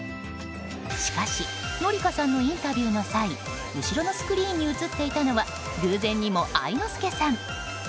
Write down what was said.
しかし、紀香さんのインタビューの際後ろのスクリーンに映っていたのは偶然にも愛之助さん。